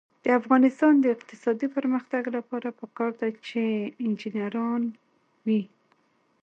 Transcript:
د افغانستان د اقتصادي پرمختګ لپاره پکار ده چې انجنیران وي.